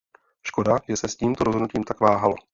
Škoda, že se s tímto rozhodnutím tak váhalo.